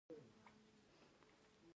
ایا ستاسو کورنۍ جوړه نه ده؟